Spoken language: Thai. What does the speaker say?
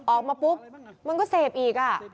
ออกมาปุ๊บมันก็เสพอีก